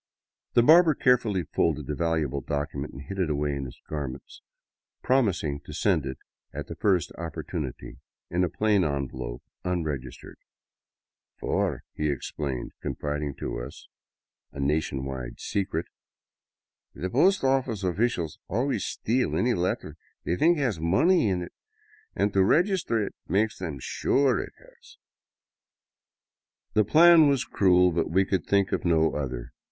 The barber carefully folded the valuable document and hid it away in his garments, promising to send it at the first opportunity — in a plain envelope, unregistered :" For," he explained, confiding to us a nation wide secret, " the post office officials always steal any letter they think has money in it, and to register it makes them sure it has." The plan was cruel, but we could think of no other.